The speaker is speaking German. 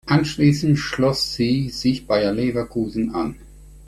Anschließend schloss sie sich Bayer Leverkusen an.